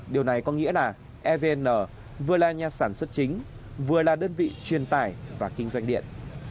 điều này có nghĩa là evn vừa là nhà sản xuất chính vừa là đơn vị truyền tải và kinh doanh điện